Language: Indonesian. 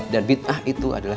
dan bid'ah itu adalah